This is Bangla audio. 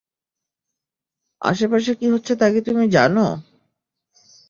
আশেপাশে কী হচ্ছে তা কি জানো তুমি?